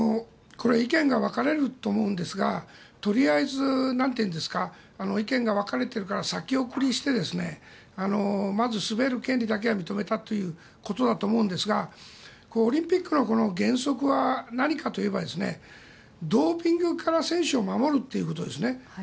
意見が分かれると思うんですがとりあえず、意見が分かれているから先送りしてまず滑る権利だけは認めたということだと思うんですがオリンピックの原則は何かといえばドーピングから選手を守るということですね。